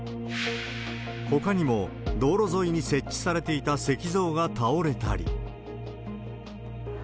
ほかにも道路沿いに設置されていた石像が倒れたり、。